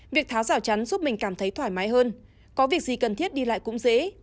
việc tháo rào chắn giúp mình cảm thấy thoải mái hơn có việc gì cần thiết đi lại cũng dễ